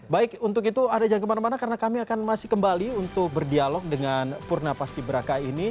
baik untuk itu ada jangan kemana mana karena kami akan masih kembali untuk berdialog dengan purna paski beraka ini